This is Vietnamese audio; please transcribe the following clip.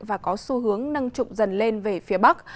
và có xu hướng nâng trụng dần lên về phía bắc